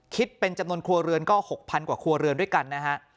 คิดเป็นจำนวนครัวเรือนก็๖๐๐กว่าครัวเรือนด้วยกันนะฮะ